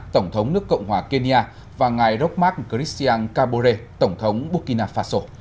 tổng thống nước cộng hòa kenya và ngài rokmak christian kabore tổng thống burkina faso